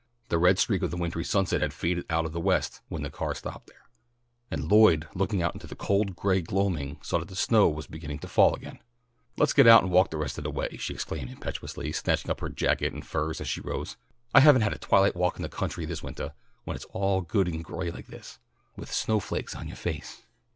The red streak of the wintry sunset had faded out of the west when the car stopped there, and Lloyd looking out into the cold gray gloaming saw that the snow was beginning to fall again. "Let's get out and walk the rest of the way," she exclaimed impetuously, snatching up her jacket and furs as she rose. "I haven't had a twilight walk in the country this wintah, when it's all good and gray like this, with snow flakes in yoah face."